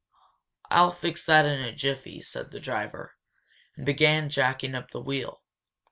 "I'll fix that in a jiffy," said the driver, and began jacking up the wheel.